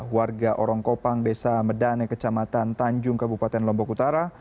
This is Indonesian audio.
warga orangkopang desa medani kecamatan tanjung kabupaten lombok utara